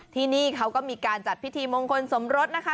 ที่นี่เขาก็มีการจัดพิธีมงคลสมรสนะคะ